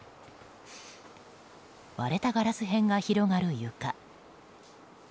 割れたガラス片が広がる床。